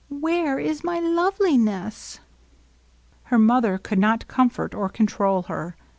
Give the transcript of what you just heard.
Whebb is my Loveliness ?" Her mother could not comfort or control her.